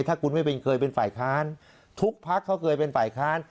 ถ้าคุณไม่เคยเป็นฝ่ายค้านทุกพักเขาเคยเป็นฝ่ายค้าน